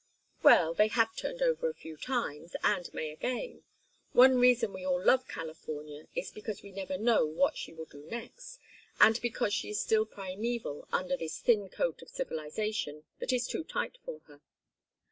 "Well, they have turned over a few times, and may again. One reason we all love California is because we never know what she will do next, and because she is still primeval under this thin coat of civilization that is too tight for her.